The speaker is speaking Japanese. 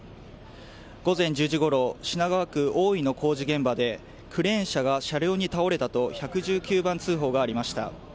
午前１０時ごろ、品川区大井の工事現場でクレーン車が車道に倒れたと、１１９番通報がありました。